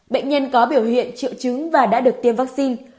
bệnh nhân có biểu hiện triệu chứng và đã được tiêm vắc xin